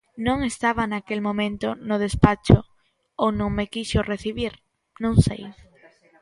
Non estaba naquel momento no despacho, ou non me quixo recibir, non sei;